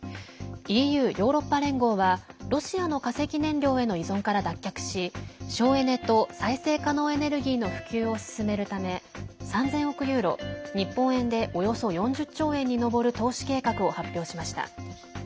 ＥＵ＝ヨーロッパ連合はロシアの化石燃料への依存から脱却し省エネと再生可能エネルギーの普及を進めるため３０００億ユーロ日本円でおよそ４０兆円に上る投資計画を発表しました。